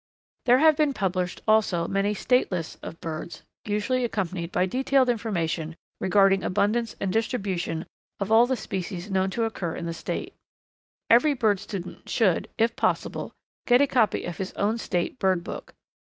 There have been published also many State lists of birds, usually accompanied by detailed information regarding abundance and distribution of all the species known to occur in the State. Every bird student should, if possible, get a copy of his own State bird book.